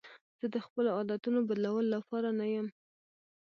زه د خپلو عادتونو بدلولو لپاره نه یم.